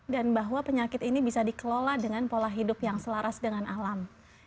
dan bahwa penyakit ini bisa dikelola dengan pola hidup yang selaras dengan alam